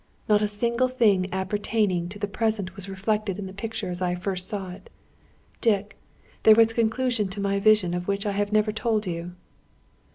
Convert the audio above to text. Not a single thing appertaining to the present, was reflected in the picture as I first saw it. Dick, there was a conclusion to my vision of which I have never told you."